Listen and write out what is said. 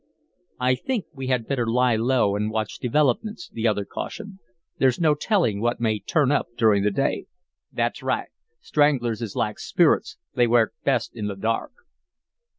"I think we had better lie low and watch developments," the other cautioned. "There's no telling what may turn up during the day." "That's right. Stranglers is like spirits they work best in the dark."